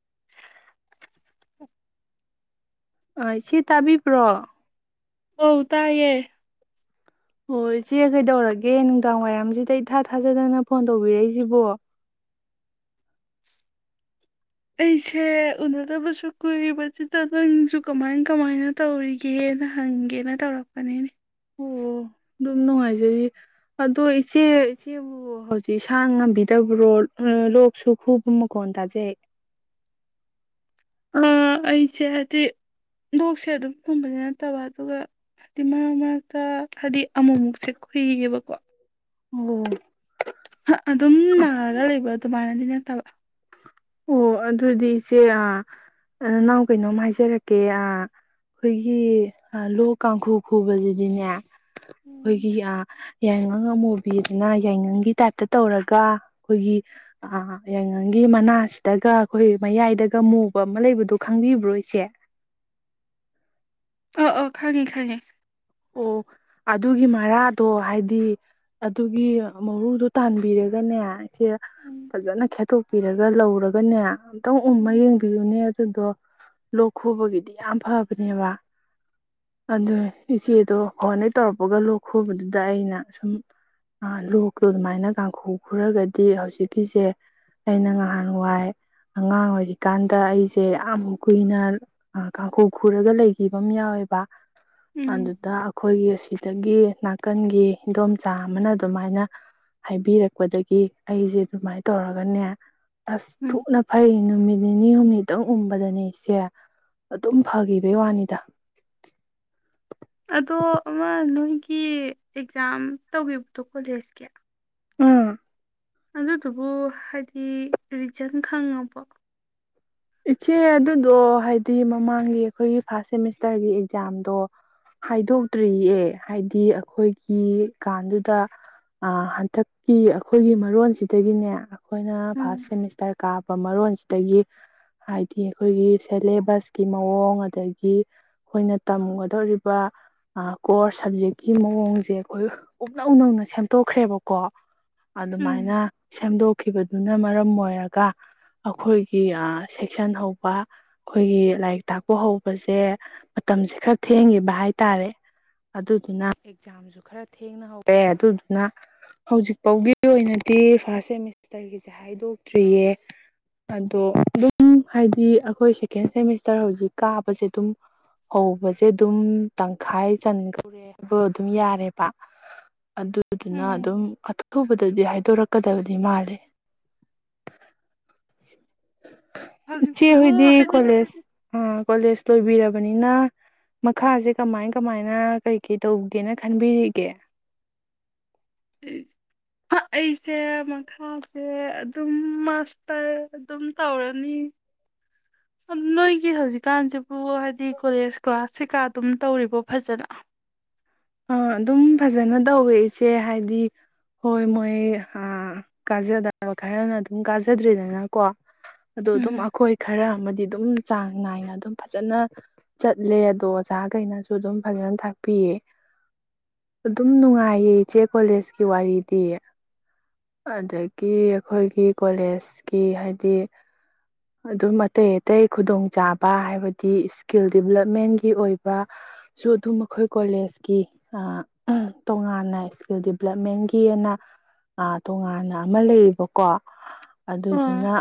[inaudible] ꯑ ꯏꯆꯦ ꯇꯥꯕꯤꯕ꯭ꯔꯣ ꯑꯧ ꯇꯌꯦ ꯍꯣꯏ ꯏꯆꯦ ꯀꯩꯗꯧꯔꯒꯦ ꯅꯨꯡꯗꯥꯡ ꯋꯥꯏꯔꯝꯁꯤꯗ ꯏꯊꯥ ꯊꯥꯖꯗꯅ ꯐꯣꯟ ꯇꯧꯕꯤꯔꯛꯏꯁꯤꯕꯣ ꯑꯩꯁꯦ ꯎꯅꯗꯕꯁꯨ ꯀꯨꯏꯔꯕꯁꯤꯗ ꯅꯪꯁꯨ ꯀꯃꯥꯏ ꯀꯃꯥꯏꯅ ꯇꯧꯔꯤꯒꯦꯅ ꯍꯪꯒꯦꯅ ꯇꯧꯔꯛꯄꯅꯤꯅꯦ ꯑꯣ ꯑꯗꯨꯝ ꯅꯨꯡꯉꯥꯏꯖꯔꯤ ꯑꯗꯣ ꯏꯆꯦ ꯏꯆꯦꯕꯨ ꯍꯧꯖꯤꯛ ꯏꯁꯥꯥ ꯉꯝꯕꯤꯗꯕ꯭ꯔꯣ ꯂꯣꯛꯁꯨ ꯈꯨꯕ ꯃꯈꯣꯟ ꯇꯥꯖꯩ ꯑꯥ ꯑꯩꯁꯦ ꯍꯥꯏꯗꯤ ꯂꯣꯛꯁꯦ ꯑꯗꯨꯝ ꯊꯨꯝꯕꯗꯤ ꯅꯠꯇꯕ ꯑꯗꯨꯒ ꯍꯥꯏꯗꯤ ꯃꯔꯛ ꯃꯔꯛꯇ ꯍꯥꯏꯗꯤ ꯑꯃꯃꯨꯛꯁꯦ ꯀꯨꯏꯌꯦꯕꯀꯣ ꯑꯣ ꯑꯗꯨꯝ ꯅꯥꯔꯒ ꯂꯩꯕ꯭ꯔꯥ ꯑꯗꯨꯃꯥꯏꯅꯗꯤ ꯅꯠꯇꯕ ꯑꯣ ꯑꯗꯨꯗꯤ ꯏꯆꯦ ꯑ ꯅꯅꯥꯎ ꯀꯩꯅꯣꯝ ꯍꯥꯏꯖꯔꯛꯀꯦ ꯑ ꯑꯩꯈꯣꯏꯒꯤ ꯂꯣꯛ ꯀꯥꯡꯈꯨ ꯈꯨꯕꯕꯁꯤꯗꯤꯅꯦ ꯑꯩꯈꯣꯏꯒꯤ ꯑ ꯌꯥꯏꯉꯪ ꯑꯉꯥꯃꯨꯕꯤꯗꯅ ꯌꯥꯏꯉꯪꯒꯤ ꯇꯥꯏꯝꯇ ꯇꯧꯔꯒ ꯑꯩꯈꯣꯏꯒꯤ ꯑ ꯌꯥꯏꯉꯪꯒꯤ ꯃꯅꯥ ꯗꯒ ꯑꯩꯈꯣꯏ ꯃꯌꯥꯏꯗꯒ ꯃꯨꯕ ꯑꯃ ꯂꯩꯕꯗꯣ ꯈꯪꯕꯤꯕ꯭ꯔꯣ ꯏꯁꯦ ꯑ ꯑ ꯈꯪꯉꯤ ꯈꯪꯉꯤ ꯑꯣ ꯑꯗꯨꯒꯤ ꯃꯔꯥꯗꯣ ꯍꯥꯏꯗꯤ ꯑꯗꯨꯒꯤ ꯃꯔꯨꯗꯣ ꯇꯥꯟꯕꯤꯔꯒꯅꯦ ꯏꯆꯦ ꯎꯝ ꯐꯖꯅ ꯈꯦꯠꯇꯣꯛꯄꯤꯔꯒ ꯂꯧꯔꯒꯅꯦ ꯑꯝꯇꯪ ꯎꯃ ꯌꯦꯡꯕꯤꯌꯨꯅꯦ ꯑꯗꯨꯗꯣ ꯂꯣꯛ ꯈꯨꯕꯒꯤꯗꯤ ꯌꯥꯝ ꯐꯕꯅꯦꯕ ꯑꯗꯨ ꯏꯆꯦꯗꯣ ꯐꫭꯟ ꯌꯦꯛ ꯇꯧꯔꯛꯄꯒ ꯂꯣꯛ ꯈꯨꯕꯗꯨꯗ ꯑꯩꯅ ꯁꯨꯝ ꯂꯣꯛꯇꯣ ꯑꯗꯨꯃꯥꯏꯅ ꯀꯥꯡꯈꯨ ꯈꯨꯔꯒꯗꯤ ꯍꯧꯖꯤꯛꯀꯤꯁꯦ ꯑꯩꯅ ꯉꯍꯥꯟꯋꯥꯏ ꯑꯉꯥꯡ ꯑꯣꯏꯔꯤꯀꯥꯟꯗ ꯑꯩꯁꯦ ꯌꯥꯝ ꯀꯨꯏꯅ ꯀꯥꯡꯈꯨ ꯈꯨꯔꯒ ꯂꯩꯈꯤꯕ ꯑꯃ ꯌꯥꯎꯋꯦꯕ ꯎꯝ ꯑꯗꯨꯗ ꯑꯩꯈꯣꯏꯒꯤ ꯑꯁꯤꯗꯒꯤ ꯅꯥꯀꯟꯒꯤ ꯏꯗꯣꯝꯆꯥ ꯑꯃꯅ ꯑꯗꯨꯃꯥꯏꯅ ꯍꯥꯏꯕꯤꯔꯛꯄꯗꯒꯤ ꯑꯩꯁꯦ ꯑꯗꯨꯃꯥꯏꯅ ꯇꯧꯔꯒꯅꯦ ꯑꯁ ꯊꯨꯅ ꯐꯥꯏ ꯅꯨꯃꯤꯠ ꯅꯤꯅꯤ ꯍꯨꯝꯅꯤꯇꯪ ꯎꯕꯗꯅꯦ ꯏꯆꯩ ꯑꯗꯨꯝ ꯐꯈꯤꯕꯩ ꯋꯥꯅꯤꯗ ꯑꯗꯣ ꯑꯃ ꯅꯣꯏꯒꯤ ꯑꯦꯛꯖꯥꯝ ꯇꯧꯈꯤꯕꯗꯣ ꯀꯣꯂꯦꯖꯀꯤ ꯎꯝ ꯑꯗꯨꯗꯨꯕꯨ ꯍꯥꯏꯗꯤ ꯔꯤꯖꯟ ꯈꯪꯉꯕꫭ ꯏꯆꯦ ꯑꯗꯨꯗꯣ ꯍꯥꯏꯗꯤ ꯃꯃꯥꯡꯒꯤ ꯑꯩꯈꯣꯏꯒꯤ ꯐꯥꯔꯁ ꯁꯦꯃꯤꯁꯇꯔꯒꯤ ꯑꯦꯛꯖꯥꯝꯗꯣ ꯍꯥꯏꯗꯣꯛꯇ꯭ꯔꯤꯌꯦ ꯍꯥꯏꯗꯤ ꯑꯩꯈꯣꯏꯒꯤ ꯀꯥꯟꯗꯨꯗ ꯍꯟꯗꯛꯀꯤ ꯑꯩꯈꯣꯏꯒꯤ ꯃꯔꯣꯟꯁꯤꯗꯒꯤꯅꯦ ꯑꯩꯈꯣꯏꯅ ꯎꯝ ꯐꯥꯔꯁ ꯁꯦꯃꯤꯁꯇ꯭ꯔ ꯀꯥꯕ ꯃꯔꯣꯟꯁꯤꯗꯒꯤ ꯍꯥꯏꯗꯤ ꯑꯩꯈꯣꯏꯒꯤ ꯁꯦꯂꯦꯕꯁꯀꯤ ꯃꯑꯣꯡ ꯑꯗꯒꯤ ꯑꯩꯈꯣꯏꯅ ꯇꯝꯒꯗꯧꯔꯤꯕ ꯀꯣꯔꯁ ꯁꯕꯖꯦꯛꯀꯤ ꯃꯑꯣꯡꯁꯦ ꯑꯩꯈꯣꯏ ꯄꯨꯞꯅꯧ ꯅꯧꯅ ꯁꯦꯝꯗꯣꯛꯈ꯭ꯔꯦꯕꯀꯣ ꯎꯝ ꯑꯗꯨꯃꯥꯏꯅ ꯁꯦꯝꯗꯣꯛꯈꯤꯕꯗꯨꯅ ꯃꯔꯝ ꯑꯣꯏꯔꯒ ꯑꯩꯈꯣꯏꯒꯤ ꯁꯦꯛꯁꯟ ꯍꯧꯕ ꯑꯩꯈꯣꯏꯒꯤ ꯂꯥꯏꯔꯤꯛ ꯇꯥꯛꯄ ꯍꯧꯕꯁꯦ ꯃꯇꯝꯁꯦ ꯈꯔ ꯊꯦꯡꯈꯤꯕ ꯍꯥꯏꯇꯥꯔꯦ ꯑꯗꯨꯗꯨꯅ ꯑꯦꯛꯖꯥꯝꯁꯨ ꯈꯔ ꯊꯦꯡꯅꯍꯧꯔꯦ ꯑꯗꯨꯗꯨꯅ ꯍꯧꯖꯤꯛꯐꯥꯎꯒꯤ ꯑꯣꯏꯅꯗꯤ ꯐꯥꯔꯁ ꯁꯦꯃꯤꯁꯇꯔꯒꯤꯁꯦ ꯍꯥꯏꯗꯣꯛꯇ꯭ꯔꯤꯌꯦ ꯑꯗꯣ ꯎꯝ ꯍꯥꯏꯗꯤ ꯑꯩꯈꯣꯏ ꯁꯦꯀꯦꯟ ꯁꯦꯃꯤꯁꯇꯔ ꯍꯧꯖꯤꯛ ꯀꯥꯕꯁꯦ ꯑꯗꯨꯝ ꯍꯧꯕꯁꯦ ꯑꯗꯨꯝ ꯇꯪꯈꯥꯏ ꯆꯟꯈꯧꯔꯦ ꯍꯥꯏꯕ ꯑꯗꯨꯝ ꯌꯥꯔꯦꯕ ꯑꯗꯨꯗꯨꯅ ꯎꯝ ꯑꯗꯨꯝ ꯑꯊꯨꯕꯗ ꯗꯗꯤ ꯍꯥꯏꯗꯣꯔꯛꯀꯗꯕꯗꯤ ꯃꯥꯜꯂꯦ ꯏꯆꯦ ꯍꯧꯖꯤꯛꯁꯤꯕꯨ ꯍꫭꯏꯗꯤ ꯍꯥꯏꯗꯤ ꯀꫭꯂꯦꯖ ꯑ ꯀꯣꯂꯦꯖ ꯂꯣꯏꯕꯤꯔꯕꯅꯤꯅ ꯃꯈꯥꯁꯦ ꯀꯃꯥꯏ ꯀꯃꯥꯏꯅ ꯀꯩ ꯀꯩ ꯇꯧꯒꯦꯅ ꯈꯟꯕꯤꯔꯤꯒꯦ ꯑꯩꯁꯦ ꯃꯈꯥꯁꯦ ꯑꯗꯨꯝ ꯃꯥꯁꯇꯔ ꯑꯗꯨꯝ ꯇꯧꯔꯅꯤ ꯅꯣꯏꯒꯤ ꯍꯧꯖꯤꯛꯀꯥꯟꯁꯤꯕꯨ ꯍꯥꯏꯗꯤ ꯀꯣꯂꯦꯖ ꯀ꯭ꯂꯥꯁ ꯀꯩꯀꯥ ꯑꯗꯨꯝ ꯇꯧꯔꯤꯕꯣ ꯐꯖꯅ ꯑ ꯑꯗꯨꯝ ꯐꯖꯅ ꯇꯧꯋꯦ ꯏꯆꯦ ꯍꯥꯏꯗꯤ ꯍꯣꯏ ꯃꯣꯏ ꯀꯥꯖꯗꯕ ꯈꯔꯅ ꯑꯗꯨꯝ ꯀꯥꯖꯗ꯭ꯔꯤꯗꯅꯀꯣ ꯑꯗꯣ ꯎꯝ ꯑꯗꯨꯝ ꯑꯩꯈꯣꯏ ꯈꯔ ꯑꯃꯗꯤ ꯑꯗꯨꯝ ꯆꯥꯡ ꯅꯥꯏꯅ ꯑꯗꯨꯝ ꯐꯖꯅ ꯆꯠꯂꯦ ꯑꯗꯣ ꯑꯣꯖꯥꯈꯩꯅꯁꯨ ꯑꯗꯨꯝ ꯐꯖꯅ ꯇꯥꯛꯄꯤꯌꯦ ꯑꯗꯨꯝ ꯅꯨꯡꯉꯥꯏꯌꯦ ꯏꯆꯦ ꯀꯣꯂꯦꯖꯀꯤ ꯋꯥꯔꯤꯗꯤ ꯑꯗꯒꯤ ꯑꯩꯈꯣꯏꯒꯤ ꯀꯣꯂꯦꯖꯀꯤ ꯍꯥꯏꯗꯤ ꯑꯗꯨꯝ ꯑꯇꯩ ꯑꯇꯩ ꯈꯨꯗꯣꯡꯆꯥꯥꯕ ꯍꯥꯏꯕꯗꯤ ꯏꯁꯀꯤꯜ ꯗꯤꯕꯂꯞꯃꯦꯟꯒꯤ ꯑꯣꯏꯕꯁꯨ ꯑꯗꯨꯝ ꯑꯩꯈꯣꯏ ꯀꯣꯂꯦꯖ ꯇꯣꯉꯥꯟꯅ ꯏꯁꯀꯤꯜ ꯗꯤꯕꯂꯞꯃꯦꯟꯒꯤ ꯑꯅ ꯇꯣꯉꯥꯟꯅ ꯑꯃ ꯂꯩꯌꯦꯕꯀꯣ ꯑꯥ ꯑꯗꯨꯗꯨꯅ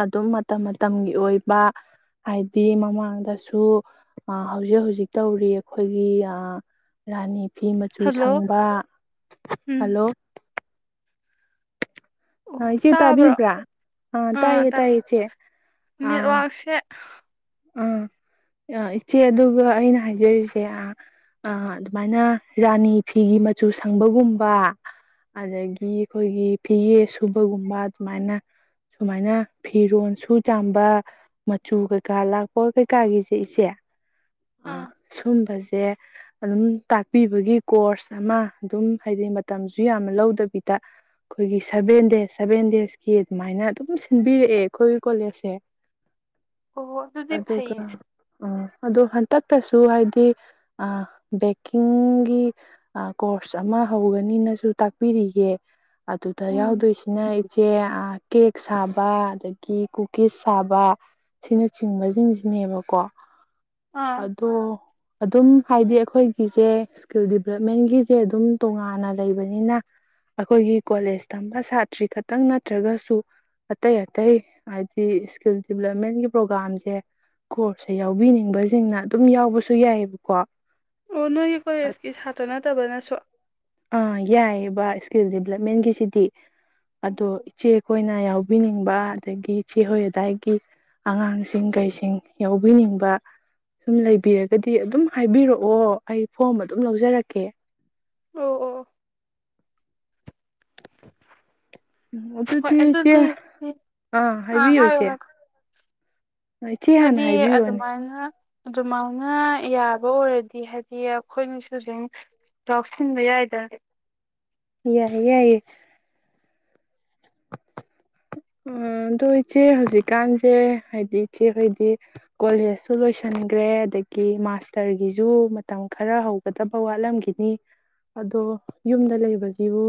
ꯑꯗꯨꯝ ꯃꯇꯝ ꯃꯇꯝꯒꯤ ꯑꯣꯏꯕ ꯍꯥꯏꯗꯤ ꯃꯃꯥꯡꯗꯁꯨ ꯑ ꯍꯧꯖꯤꯛ ꯍꯧꯖꯤꯛ ꯇꯧꯔꯤ ꯑꯩꯈꯣꯏꯒꯤ ꯑ ꯔꯅꯤ ꯐꯤ ꯃꯆꯨ ꯍꯜꯂꯣ ꯁꯪꯕ ꯎꯝ ꯍꯜꯂꯣ ꯑ ꯑꯣ ꯏꯆꯦ ꯇꯥꯕ꯭ꯔꯣ ꯇꯥꯕꯤꯕ꯭ꯔꯥ ꯑꯥ ꯇꯥꯏꯌꯦ ꯇꯥꯏꯌꯦ ꯏꯆꯦ ꯑꯥ ꯅꯦꯠꯋꯥꯛꯁꯦ ꯑꯥ ꯏꯆꯦ ꯑꯗꯨꯒ ꯑꯩꯅ ꯍꯥꯏꯖꯔꯤꯁꯦ ꯑꯗꯨꯃꯥꯏꯅ ꯔꯥꯅꯤ ꯐꯤꯒꯤ ꯃꯆꯨ ꯁꯪꯕꯒꯨꯝꯕ ꯑꯗꯒꯤ ꯑꯩꯈꯣꯏꯒꯤ ꯐꯤꯒ ꯁꯨꯕꯒꯨꯝꯕ ꯑꯗꯨꯃꯥꯏꯅ ꯁꯨꯃꯥꯏꯅ ꯐꯤꯔꯣꯜ ꯁꯨ ꯆꯥꯝꯕ ꯃꯆꯨꯒ ꯀꯀꯥ ꯂꯥꯛꯄ ꯀꯩꯀꯥꯒꯤꯁꯦ ꯏꯆꯦ ꯑ ꯑꯥ ꯁꯣꯝꯕꯁꯤ ꯁꯦ ꯑꯗꯨꯝ ꯇꯥꯛꯄꯤꯕꯒꯤ ꯀꯣꯔꯁ ꯑꯃ ꯑꯗꯨꯝ ꯍꯥꯏꯗꯤ ꯃꯇꯝꯁꯨ ꯌꯥꯝꯅ ꯂꯧꯗꯕꯤꯗ ꯑꯩꯈꯣꯏꯒꯤ ꯁꯚꯦꯟ ꯗꯦꯖ ꯁꯚꯦꯟ ꯗꯦꯖꯀꯤ ꯑꯗꯨꯃꯥꯏꯅ ꯑꯗꯨꯝ ꯁꯤꯟꯕꯤꯔꯛꯑꯦ ꯑꯩꯈꯣꯏꯒꯤ ꯀꯣꯂꯦꯖꯁꯦ ꯑꯣꯍꯣ ꯑꯗꯨꯗꯤ ꯐꯩꯌꯦ ꯑꯗꯨꯒ ꯎꯝ ꯑꯗꯣ ꯍꯟꯇꯛꯇꯁꯨ ꯍꯥꯏꯗꯤ ꯑ ꯕꯦꯡꯀꯤꯡꯒꯤ ꯀꯣꯔꯁ ꯑꯃ ꯍꯧꯒꯅꯤꯅꯁꯨ ꯇꯥꯛꯄꯤꯔꯤꯌꯦꯦ ꯑꯗꯨꯗ ꯎꯝ ꯌꯥꯎꯗꯣꯏꯁꯤꯅ ꯏꯆꯦ ꯀꯦꯛ ꯁꯥꯕ ꯑꯗꯒꯤ ꯀꯨꯀꯤꯁ ꯁꯥꯕ ꯁꯤꯅ ꯆꯤꯡꯕꯁꯤꯡꯁꯤꯅꯦꯕꯀꯣ ꯑꯥ ꯑꯗꯣ ꯑꯗꯨꯝ ꯍꯥꯏꯗꯤ ꯑꯩꯈꯣꯏꯒꯤꯁꯦ ꯏꯁꯀꯤꯜ ꯗꯤꯚꯂꯞꯃꯦꯟꯒꯤꯁꯦ ꯑꯗꯨꯝ ꯇꯣꯉꯥꯟꯅ ꯂꯩꯕꯅꯤꯅ ꯑꯩꯈꯣꯏꯒꯤ ꯀꯣꯂꯦꯖ ꯇꯝꯕ ꯁꯥꯇ꯭ꯔꯤ ꯈꯛꯇꯪ ꯅꯠꯇ꯭ꯔꯒꯁꯨ ꯑꯇꯩ ꯑꯇꯩ ꯍꯥꯏꯗꯤ ꯏꯁꯀꯤꯜ ꯗꯤꯚꯂꯞꯃꯦꯟꯒꯤ ꯄ꯭ꯔꯣꯒꯥꯝꯁꯦ ꯀꯣꯔꯁꯁꯦ ꯌꯥꯎꯕꯤꯅꯤꯡꯕꯁꯤꯡꯅ ꯑꯗꯨꯝ ꯌꯥꯎꯕꯁꯨ ꯌꯥꯏꯑꯕꯀꯣ ꯑꯣ ꯅꯣꯏꯒꯤ ꯀꯣꯂꯦꯖꯀꯤ ꯁꯥꯇ꯭ꯔ ꯅꯠꯇꯕꯅꯁꯨ ꯑꯥ ꯌꯥꯏꯑꯕ ꯏꯁꯀꯤꯜ ꯗꯦꯕꯂꯞꯃꯦꯟꯒꯤꯁꯤꯗꯤ ꯑꯗꯣ ꯎꯝ ꯏꯆꯦ ꯑꯩꯈꯣꯏꯅ ꯌꯥꯎꯕꯤꯅꯤꯡꯕ ꯑꯗꯒꯤ ꯆꯍꯣꯏ ꯑꯗꯥꯏꯒꯤ ꯑꯉꯥꯡꯁꯤꯡ ꯀꯩꯁꯤꯡ ꯌꯥꯎꯕꯤꯅꯤꯡꯕ ꯁꯨꯝ ꯂꯩꯕꯤꯔꯒꯗꯤ ꯑꯗꯨꯝ ꯍꯥꯏꯕꯤꯔꯛꯑꯣ ꯑꯩ ꯐꯣꯝ ꯑꯗꯨꯝ ꯂꯧꯖꯔꯛꯀꯦ ꯑꯣ ꯑꯣ ꯎꯝ ꯍꯣꯏ ꯑꯗꯨꯗꯤ ꯏꯆꯦ ꯎꯝ, ꯑꯥ ꯍꯥꯏꯕꯤꯌꯨ ꯍꯥꯏꯌꯣ ꯏꯆꯦ ꯍꯥꯏꯌꯣ ꯏꯆꯦ ꯍꯥꯟꯅ ꯍꯥꯏꯕꯤꯌꯨꯅꯦ ꯑꯗꯨ ꯃꯥꯥꯏꯅ ꯌꯥꯕ ꯑꯣꯏꯔꯗꯤ ꯍꯥꯏꯗꯤ ꯑꯩꯈꯣꯏꯅꯁꯨ ꯑꯗꯨꯝ ꯌꯥꯎꯁꯤꯟꯕ ꯌꯥꯏꯗꯔꯦ ꯌꯥꯏ ꯌꯥꯏꯌꯦ [inaudible] ꯑꯗꯣ ꯏꯆꯦ ꯍꯧꯖꯤꯛꯀꯥꯟꯁꯦ ꯍꯥꯏꯗꯤ ꯏꯆꯦ ꯍꯣꯏꯗꯤ ꯀꯣꯂꯦꯖꯁꯨ ꯂꯣꯏꯁꯟꯈ꯭ꯔꯦ ꯑꯗꯒꯤ ꯃꯥꯁꯇꯔꯒꯤꯁꯨ ꯃꯇꯝ ꯈꯔ ꯍꯧꯒꯗꯕ ꯋꯥꯠꯂꯝꯈꯤꯅꯤ ꯑꯗꯣ ꯌꯨꯝꯗ ꯂꯩꯕꯁꯤꯕꯨ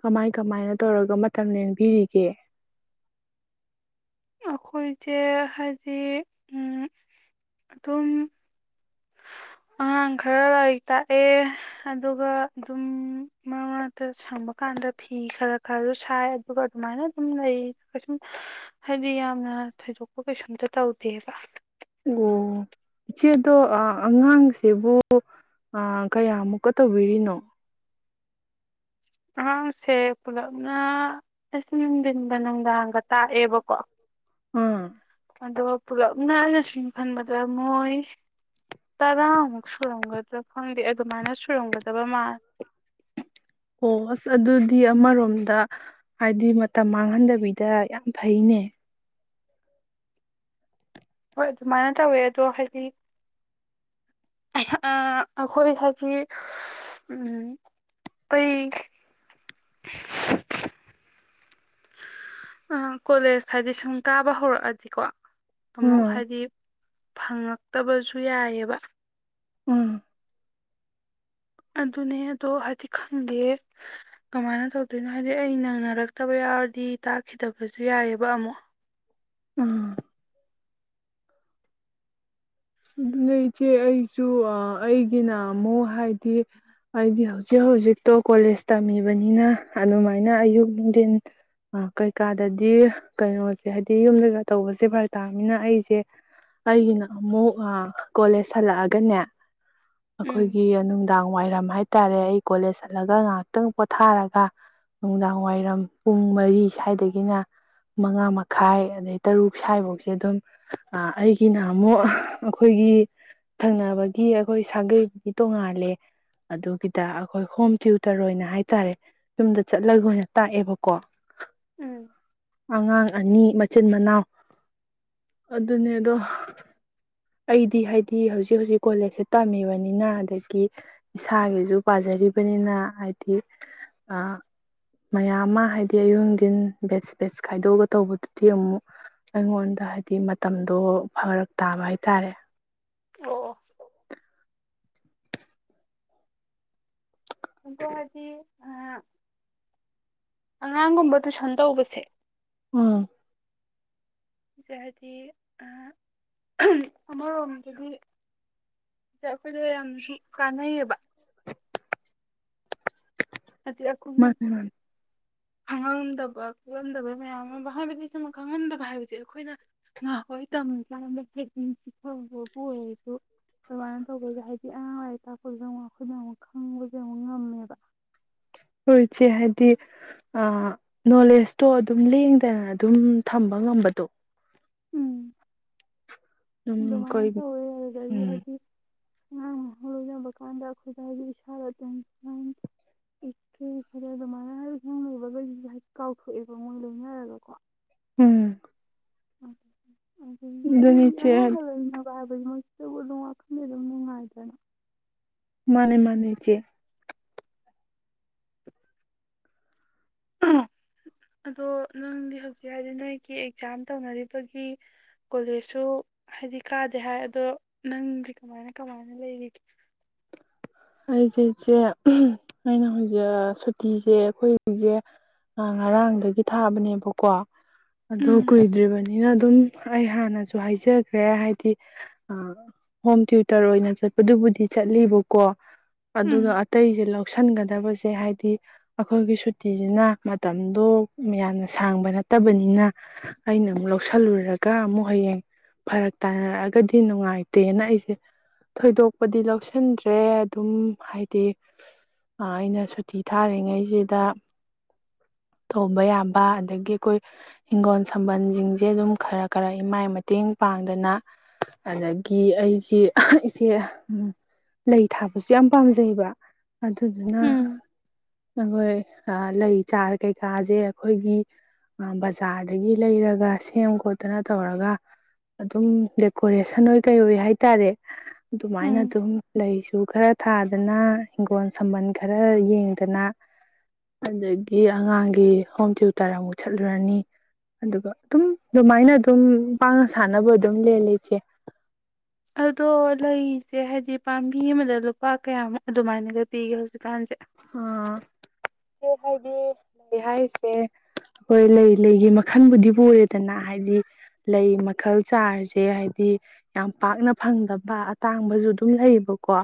ꯀꯃꯥꯏ ꯀꯃꯥꯏꯅ ꯇꯧꯔꯒ ꯃꯇꯝ ꯂꯦꯡꯕꯤꯔꯤꯒꯦ ꯑꯩꯈꯣꯏꯁꯦ ꯍꯥꯏꯗꯤ ꯑꯗꯨꯝ ꯑꯉꯥꯡ ꯈꯔ ꯂꯥꯏꯔꯤꯛ ꯇꯥꯛꯑꯦ ꯑꯗꯨꯒ ꯑꯗꯨꯝ ꯃꯔꯛ ꯃꯔꯛꯇ ꯁꯪꯕ ꯀꯥꯟꯗ ꯐꯤ ꯈꯔ ꯈꯔꯁꯨ ꯁꯥꯏ ꯑꯗꯨꯒ ꯑꯗꯨꯃꯥꯏꯅ ꯑꯗꯨꯝ ꯂꯩ ꯀꯩꯁꯨꯝ ꯍꯥꯏꯗꯤ ꯌꯥꯝꯅ ꯊꯣꯏꯗꯣꯛꯄ ꯀꯩꯁꯨꯝꯇ ꯇꯧꯗꯦꯕ ꯑꯣ ꯏꯆꯦꯗꯣ ꯑꯉꯥꯡꯁꯤꯕꯨ ꯀꯌꯥꯃꯨꯛꯀ ꯇꯧꯕꯤꯔꯤꯅꯣ ꯑꯉꯥꯡꯁꯦ ꯄꯨꯂꯞꯅ ꯑꯁ ꯅꯨꯡꯊꯤꯟꯗ ꯅꯨꯡꯗꯥꯡꯒ ꯇꯥꯛꯑꯦꯕꯀꯣ ꯎꯝ ꯑꯗꯣ ꯄꯨꯂꯞꯅꯅꯥ ꯑꯩꯅꯁꯤꯡ ꯈꯟꯕꯗ ꯃꯣꯏ ꯇꯔꯥꯃꯨꯛ ꯁꯨꯔꯝꯒꯗ꯭ꯔꯥ ꯈꯪꯗꯦ ꯑꯗꯨꯃꯥꯏꯅ ꯁꯨꯔꯝꯒꯗꯕ ꯃꯥꯂꯦ ꯑꯣ ꯑꯁ ꯑꯗꯨꯗꯤ ꯑꯃꯔꯣꯝꯗ ꯍꯥꯏꯗꯤ ꯃꯇꯝ ꯃꯥꯡꯍꯟꯗꯕꯤꯗ ꯌꯥꯝ ꯐꯩꯅꯦ ꯍꯣꯏ ꯑꯗꯨꯃꯥꯏꯅ ꯇꯧꯋꯦ ꯑꯗꯣ ꯍꯥꯏꯗꯤ ꯑꯩꯈꯣꯏ ꯍꯥꯏꯗꯤ ꯙꯝ ꯑꯩꯩ ꯑ ꯀꯣꯂꯦꯖ ꯍꯥꯏꯗꯤ ꯁꯨꯝ ꯀꯥꯕ ꯍꯧꯔꯛꯑꯗꯤꯀꯣ ꯑꯃꯨꯛ ꯎꯝ ꯍꯥꯏꯗꯤ ꯐꯪꯉꯛꯇꯕꯁꯨ ꯌꯥꯏꯌꯦꯕ ꯎꯝ ꯑꯗꯨꯅꯦ ꯑꯗꯣ ꯍꯥꯏꯗꯤ ꯈꯪꯗꯦ ꯀꯃꯥꯏꯅ ꯇꯧꯗꯣꯏꯅꯣ ꯍꯥꯏꯗꯤ ꯑꯩ ꯅꯪꯅꯔꯛꯇꯕ ꯌꯥꯎꯔꯗꯤ ꯇꯥꯛꯈꯤꯗꯕꯁꯨ ꯌꯥꯏꯌꯦꯕ ꯑꯃꯨꯛ ꯎꯝ ꯑꯗꯨꯅ ꯏꯆꯦ ꯑꯩꯁꯨ ꯑꯩꯒꯤꯅ ꯑꯃꯨꯛ ꯍꯥꯏꯗꯤ ꯑꯩꯗꯤ ꯍꯧꯖꯤꯛ ꯍꯧꯖꯤꯛꯇꯣ ꯀꯣꯂꯦꯖ ꯇꯝꯃꯤꯕꯅꯤꯅ ꯑꯗꯨꯃꯥꯏꯅ ꯑꯌꯨꯛ ꯅꯨꯡꯊꯤꯟ ꯀꯩꯀꯥꯗꯗꯤ ꯀꯩꯅꯣꯁꯦ ꯍꯥꯏꯕꯗꯤ ꯌꯨꯝꯗꯒ ꯇꯧꯕꯁꯦ ꯐꯔ ꯇꯥꯕꯅꯤꯅ ꯑꯩꯁꯦ ꯑꯩꯒꯤꯅ ꯑꯃꯨꯛ ꯑ ꯀꯣꯂꯦꯖ ꯍꯜꯂꯛꯑꯒꯅꯦ ꯎꯝ ꯑꯩꯈꯣꯏꯒꯤ ꯅꯨꯡꯗꯥꯡ ꯋꯥꯏꯔꯝ ꯍꯥꯏꯇꯥꯔꯦ ꯑꯩ ꯀꯣꯂꯦꯖ ꯆꯠꯂꯒ ꯉꯥꯏꯍꯥꯛꯇꯪ ꯄꯣꯊꯥꯔꯒ ꯅꯨꯡꯗꯥꯡ ꯋꯥꯏꯔꯝ ꯄꯨꯡ ꯃꯔꯤ ꯁ꯭ꯋꯥꯏꯗꯒꯤꯅ ꯃꯉꯥ ꯃꯈꯥꯏ ꯑꯗꯩ ꯇꯔꯨꯛ ꯁ꯭ꯋꯥꯏꯐꯧꯁꯦ ꯑꯗꯨꯝ ꯑꯩꯒꯤꯅ ꯑꯃꯨꯛ ꯑꯩꯈꯣꯏꯒꯤ ꯊꯪꯅꯕꯒꯤ ꯑꯩꯈꯣꯏ ꯁꯥꯒꯩꯕꯒꯤ ꯇꯣꯡꯉꯥꯜꯂꯦ ꯑꯗꯨꯒꯤꯗ ꯑꯩꯈꯣꯏ ꯍꯣꯝ ꯇ꯭ꯌꯨꯇꯔ ꯑꯣꯏꯅ ꯍꯥꯏꯇꯥꯔꯦ ꯌꯨꯝꯗ ꯆꯠꯂꯒ ꯑꯣꯏꯅ ꯇꯥꯛꯑꯦꯕꯀꯣ ꯎꯝ ꯑꯉꯥꯡ ꯑꯅꯤ ꯃꯆꯤꯟ ꯃꯅꯥꯎ ꯑꯗꯨꯅꯦ ꯑꯗꯣ ꯑꯩꯗꯤ ꯍꯥꯏꯗꯤ ꯍꯧꯖꯤꯛ ꯍꯧꯖꯤꯛ ꯀꯣꯂꯦꯖꯁꯦ ꯇꯝꯃꯤꯕꯅꯤꯅ ꯑꯗꯒꯤ ꯏꯁꯥꯒꯤꯁꯨ ꯄꯥꯖꯔꯤꯕꯅꯤꯅ ꯍꯥꯏꯗꯤ ꯑ ꯃꯌꯥꯝ ꯑꯃ ꯍꯥꯏꯗꯤ ꯑꯌꯨꯤꯡꯊꯤꯟ ꯕꯦꯠꯁ ꯕꯦꯠꯁ ꯈꯥꯏꯗꯣꯛꯑꯒ ꯇꯧꯕꯗꯨꯗꯤ ꯑꯃꯨꯛ ꯑꯩꯉꯣꯟꯗ ꯍꯥꯏꯗꯤ ꯃꯇꯝꯗꯣ ꯐꯔꯛ ꯇꯥꯕ ꯍꯥꯏ ꯇꯥꯔꯦ ꯑꯣ ꯒꯍꯥꯇꯤ ꯑ ꯑꯉꯥꯡꯒꯨꯝꯕ ꯇꯨꯏꯁꯟ ꯇꯧꯕꯁꯦ ꯎꯝ ꯁꯤꯁꯦ ꯍꯥꯏꯗꯤ ꯑꯃꯔꯣꯝꯗꯗꯤ ꯁꯤ ꯑꯩꯈꯣꯏꯗ ꯌꯥꯝ ꯀꯥꯟꯅꯩꯌꯦꯕ ꯑꯆ ꯑꯈꯨꯒ ꯃꯥꯅꯦ ꯃꯥꯅꯦ ꯈꯪꯉꯝꯗꯕ ꯈꯣꯠꯂꯝꯝꯗꯕ ꯃꯌꯥꯝ ꯑꯃ ꯍꯥꯏꯕꯗꯤ ꯁꯨꯝ ꯈꯪꯉꯝꯗꯕ ꯍꯥꯏꯕꯁꯦ ꯑꯩꯈꯣꯏꯅ ꯉꯥꯍꯥꯟꯋꯥꯢ ꯇꯝꯃꯤ ꯀꯥꯟꯗ ꯍꯡ ꯆꯤꯊꯕꯕꯨ ꯑꯣꯏꯔꯁꯨ ꯑꯗꯨꯃꯥꯏꯅ ꯇꯧꯕꯩꯗ ꯍꯥꯏꯗꯤ ꯑꯉꯥꯡ ꯑꯔꯤꯛ ꯇꯥꯛꯄꯗꯁꯨ ꯑꯃꯨꯛ ꯑꯩꯈꯣꯏꯅꯌꯥꯝ ꯑꯃꯨꯛ ꯈꯪꯕꯁꯦ ꯑꯃꯨꯛ ꯉꯝꯃꯦꯕ ꯍꯣꯏ ꯏꯆꯦ ꯍꯥꯏꯗꯤ ꯑ ꯅꯣꯂꯦꯖꯇꯣ ꯑꯗꯨꯝ ꯂꯦꯡꯗꯅ ꯑꯗꯨꯝ ꯊꯝꯕ ꯉꯝꯕꯗꯣ ꯎꯝ ꯑꯗꯨꯝ ꯗꯨꯃꯥꯅ ꯑꯩꯈꯣꯏ ꯇꯧꯋꯦ ꯑꯗꯨꯗꯒꯤ ꯎꯝ ꯍꯥꯏꯗꯤ ꯑꯉꯥꯡ ꯅꯍꯥꯡ ꯂꯣꯏꯅꯕ ꯀꯥꯟꯗ ꯑꯩꯈꯣꯏꯗ ꯍꯥꯏꯗꯤ ꯏꯁꯥꯗ ꯇꯦꯟꯁꯟ ꯄꯤꯈ꯭ꯦ ꯈ꯭ꯔꯦ ꯑꯗꯨꯃꯥꯏꯅ ꯍꯥꯏ ꯍꯪꯕꯈꯩꯁꯤꯁꯨ ꯍꯥꯏꯗꯤ ꯀꯥꯎꯊꯣꯛꯏꯦꯕ ꯃꯣꯏ ꯂꯣꯏꯅꯔꯒꯀꯣ ꯎꯝ ꯎꯝ ꯗꯨꯅꯤ ꯆꯦ ꯍꯥꯏ ꯑꯗꯨ ꯃꯣꯏꯗ ꯑꯗꯨꯝ ꯋꯥꯈꯜꯗ ꯑꯗꯨꯝ ꯅꯨꯡꯉꯥꯏꯗꯅ ꯃꯥꯅꯦ ꯃꯥꯅꯦ ꯆꯦ ꯑꯗꯣ ꯅꯪꯗꯤ ꯍꯧꯖꯤꯛ ꯍꯥꯏꯗꯤ ꯅꯣꯏꯒꯤ ꯑꯦꯛꯖꯥꯝ ꯇꯧꯅꯔꯤꯕꯒꯤ ꯀꯣꯂꯦꯖꯁꯨ ꯍꯥꯏꯗꯤ ꯀꯥꯗꯦ ꯍꯥꯏ ꯑꯗꯣ ꯅꯪꯗꯤ ꯀꯃꯥꯏꯅ ꯀꯃꯥꯏꯅ ꯂꯩꯔꯤꯒꯦ ꯑꯩꯁꯦ ꯏꯆꯦ ꯑꯩꯅ ꯍꯧꯖꯤꯛ ꯁꯨꯇꯤꯁꯦ ꯑꯩꯈꯣꯏꯁꯦ ꯉꯔꯥꯡꯗꯒꯤ ꯊꯥꯕꯅꯦꯕꯀꯣ ꯑꯗꯣ ꯎꯝ ꯀꯨꯏꯗ꯭ꯔꯤꯕꯅꯤ ꯅꯤꯅ ꯑꯗꯨꯝ ꯑꯩ ꯍꯥꯟꯅꯁꯨ ꯍꯥꯏꯖꯈ꯭ꯔꯦ ꯍꯥꯏꯗꯤ ꯍꯣꯝ ꯇ꯭ꯌꯨꯇꯔ ꯑꯣꯏꯅ ꯆꯠꯄꯗꯨꯕꯨꯗꯤ ꯆꯠꯂꯤꯕꯀꯣ ꯑꯗꯨꯒ ꯎꯝ ꯑꯇꯩꯁꯦ ꯂꯧꯁꯤꯟꯒꯗꯕꯁꯦ ꯍꯥꯏꯗꯤ ꯑꯩꯈꯣꯏꯒꯤ ꯁꯨꯇꯤꯁꯤꯅ ꯃꯇꯝꯗꯣ ꯌꯥꯝꯅ ꯁꯥꯡꯕ ꯅꯠꯇꯕꯅꯤꯅ ꯑꯩꯅ ꯑꯃꯨꯛ ꯂꯧꯁꯜꯂꯨꯔꯒ ꯑꯃꯨꯛ ꯍꯌꯦꯡ ꯐꯔꯛ ꯇꯥꯅꯔꯛꯑꯒꯗꯤ ꯅꯨꯡꯉꯥꯏꯇꯦꯅ ꯑꯩꯁꯦ ꯊꯣꯏꯗꯣꯛꯄꯗꯤ ꯂꯧꯁꯤꯟꯗ꯭ꯔꯦ ꯑꯗꯨꯝ ꯍꯥꯏꯗꯤ ꯑꯩꯅ ꯁꯨꯇꯤ ꯊꯥꯔꯤꯉꯩꯁꯤꯗ ꯊꯣꯡꯕ ꯌꯥꯕ ꯑꯗꯒꯤ ꯑꯩꯈꯣꯏ ꯍꯤꯡꯒꯣꯜ ꯁꯝꯕꯜꯁꯤꯡꯁꯦ ꯑꯗꯨꯝ ꯈꯔ ꯈꯔ ꯏꯃꯥꯏ ꯃꯇꯦꯡ ꯄꯥꯡꯗꯅ ꯑꯗꯒꯤ ꯑꯩꯁꯤꯦ ꯏꯆꯦ ꯂꯩ ꯊꯥꯕꯁꯨ ꯌꯥꯝ ꯄꯥꯝꯖꯩꯕ ꯑꯗꯨꯗꯨꯅ ꯎꯝ ꯑꯩꯈꯣꯏ ꯂꯩ ꯆꯥꯔ ꯀꯩꯀꯥꯁꯦ ꯑꯩꯈꯣꯏꯒꯤ ꯕꯖꯥꯔꯗꯒꯤ ꯂꯩꯔꯒ ꯁꯦꯝ ꯈꯣꯠꯇꯅ ꯇꯧꯔꯒ ꯑꯗꯨꯝ ꯗꯦꯀꯣꯔꯦꯁꯟ ꯑꯣꯏ ꯀꯩ ꯑꯣꯏ ꯍꯥꯏꯇꯥꯔꯦ ꯑꯗꯨꯃꯥꯏꯅ ꯎꯝ ꯑꯗꯨꯝ ꯂꯩꯁꯨ ꯈꯔ ꯊꯥꯗꯅ ꯍꯤꯡꯒꯣꯜ ꯁꯝꯕꯟ ꯈꯔ ꯌꯦꯡꯗꯅ ꯑꯗꯒꯤ ꯑꯉꯥꯡꯒꯤ ꯍꯣꯝ ꯇ꯭ꯌꯨꯇꯔ ꯑꯃꯨꯛ ꯆꯠꯂꯨꯔꯅꯤ ꯑꯗꯨꯒ ꯑꯗꯨꯝ ꯑꯗꯨꯃꯥꯏꯅ ꯑꯗꯨꯝ ꯄꯥꯡꯅ ꯁꯥꯟꯅꯕ ꯑꯗꯨꯝ ꯂ ꯂꯩꯆꯦ ꯑꯗꯣ ꯂꯩꯁꯦ ꯍꯥꯏꯗꯤ ꯄꯥꯝꯕꯤ ꯑꯃꯗ ꯂꯨꯄꯥ ꯀꯌꯥꯃꯨꯛ ꯑꯗꯨꯃꯥꯏꯅꯒ ꯄꯤꯒꯦ ꯍꯧꯖꯤꯛ ꯑꯥ ꯦ ꯍꯥꯏꯗꯤ ꯂꯩ ꯍꯥꯏꯔꯤꯁꯦ ꯑꯩꯈꯣꯏ ꯂꯩ ꯂꯩꯒꯤ ꯃꯈꯜꯕꯨꯗꯤ ꯄꯨꯔꯦꯗꯅ ꯍꯥꯏꯗꯤ ꯂꯩ ꯃꯈꯜ ꯆꯥꯔꯁꯦ ꯍꯥꯏꯗꯤ ꯌꯥꯝ ꯄꯥꯛꯅ ꯐꯪꯗꯕ ꯑꯇꯥꯡꯕꯁꯨ ꯑꯗꯨꯝ ꯂꯩꯌꯦꯕꯀꯣ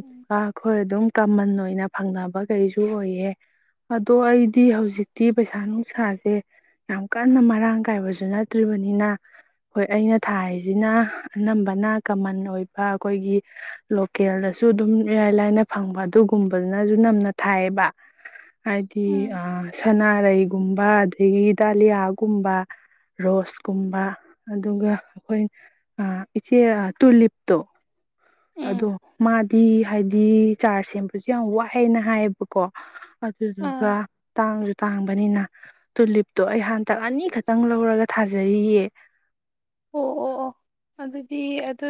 ꯎꯝ ꯑꯩꯈꯣꯏ ꯑꯗꯨꯝ ꯀꯃꯟ ꯑꯣꯏꯅ ꯐꯪꯅꯕ ꯀꯩꯁꯨ ꯑꯣꯏꯌꯦ ꯑꯗꯣ ꯑꯩꯗꯤ ꯍꯧꯖꯤꯛꯇꯤ ꯄꯩꯁꯥ ꯅꯨꯡꯁꯥꯁꯦ ꯌꯥꯝ ꯀꯟꯅ ꯃꯔꯥꯡ ꯀꯥꯏꯕꯁꯨ ꯅꯠꯇ꯭ꯔꯤꯕꯅꯤꯅ ꯍꯣꯏ ꯑꯩꯅ ꯊꯥꯔꯤꯁꯤꯅ ꯑꯅꯝꯕꯅ ꯀꯃꯟ ꯑꯣꯏꯕ ꯑꯩꯈꯣꯏꯒꯤ ꯂꯣꯀꯦꯜꯗꯁꯨ ꯑꯗꯨꯝ ꯏꯔꯥꯏ ꯂꯥꯏꯅ ꯐꯪꯕ ꯑꯗꯨꯒꯨꯝꯕ ꯐꯖꯅꯁꯨ ꯅꯝꯅ ꯊꯥꯏꯌꯦꯕ ꯍꯥꯏꯗꯤ ꯎꯝ ꯁꯅꯥꯔꯩ ꯒꯨꯝꯕ ꯑꯗꯒꯤ ꯗꯥꯂꯤꯌꯥꯒꯨꯝꯕ ꯔꯣꯁꯀꯨꯝꯕ ꯑꯗꯨꯒ ꯑꯩꯈꯣꯏ ꯏꯆꯦ ꯇꯨꯂꯤꯞꯇꯣ ꯑꯗꯣ ꯎꯝ ꯃꯥꯗꯤ ꯍꯥꯏꯗꯤ ꯆꯥꯔ ꯁꯦꯝ ꯑꯗꯨꯁꯨ ꯌꯥꯝ ꯋꯥꯑꯦꯅ ꯍꯥꯏꯌꯦꯕꯀꯣ ꯑꯗꯨꯗꯨꯒ ꯑꯥ ꯇꯥꯡꯁꯨ ꯇꯥꯡꯕꯅꯤꯅ ꯇꯨꯂꯤꯞꯇꯣ ꯑꯩ ꯍꯟꯇꯛ ꯑꯅꯤ ꯈꯛꯇꯪ ꯂꯧꯔꯒ ꯊꯥꯖꯔꯤꯌꯦ ꯑꯣ ꯑꯣ ꯑꯣ ꯑꯗꯨꯗꯤ ꯑꯗꯨ